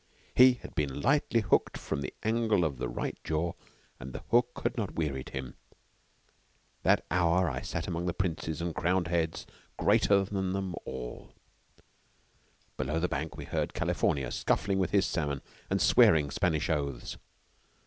He had been lightly hooked on the angle of the right jaw, and the hook had not wearied him. That hour I sat among princes and crowned heads greater than them all. Below the bank we heard California scuffling with his salmon and swearing Spanish oaths.